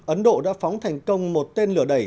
ấn độ đã phóng thành công một tên lửa đẩy